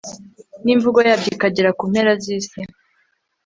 n'imvugo yabyo ikagera ku mpera z'isi